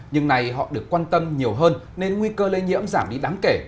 nhưng này họ được quan tâm nhiều hơn nên nguy cơ lây nhiễm giảm đi đáng kể